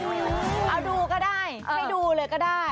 เอาดูก็ได้ให้ดูเลยก็ได้